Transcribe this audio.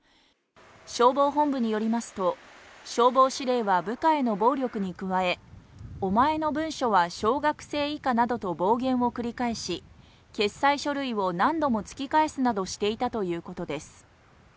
消防本部によりますと、消防司令は部下への暴力に加えお前の文書は小学生以下などと暴言を繰り返し決裁書類を何度も突き返すなどしていたということです。